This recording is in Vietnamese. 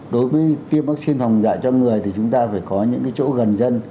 đối với tiêm vắc xin phòng bệnh dạy cho người thì chúng ta phải có những cái chỗ gần dân